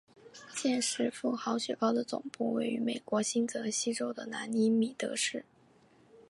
现时富豪雪糕的总部位于美国新泽西州的兰尼米德市。